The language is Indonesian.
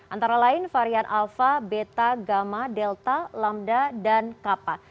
antara lain varian alfa beta gamma delta lambda dan kappa